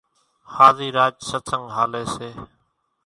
هازِي راچ ستسنڳ هاليَ سي۔